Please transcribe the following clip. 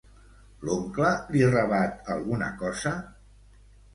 L'oncle li rebat alguna cosa?